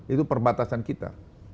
itu perbatasan kita